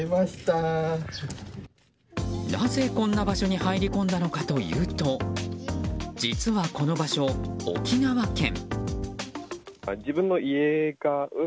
なぜこんな場所に入り込んだのかというと実はこの場所、沖縄県。